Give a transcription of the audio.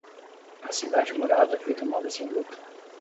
A cidade murada foi tomada sem luta.